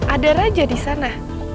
ada raja di sana